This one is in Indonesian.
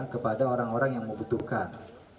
kepada orang orang yang membutuhkan